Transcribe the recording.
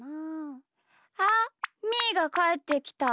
あっみーがかえってきた。